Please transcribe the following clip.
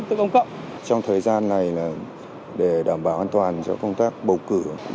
trong thời gian này để đảm bảo an toàn cho công tác bầu cử